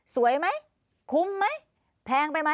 สวยไหมคุ้มไหมแพงไปไหม